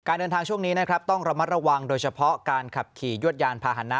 เดินทางช่วงนี้นะครับต้องระมัดระวังโดยเฉพาะการขับขี่ยวดยานพาหนะ